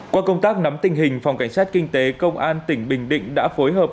qua công tác nắm tình hình phòng cảnh sát kinh tế công an tỉnh bình định đã phối hợp